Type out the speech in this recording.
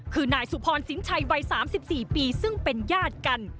คือนายสุพรสินชัยวัย๓๔ปีซึ่งเป็นญาติกัน